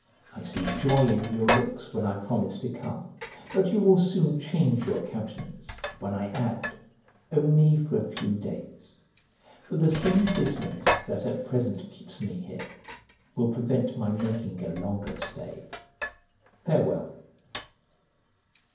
I see joy in your looks when I promise to come; but you will soon change your countenance when I add, only for a few days: for the same business that at present keeps me here will prevent my making a longer stay. Farewell.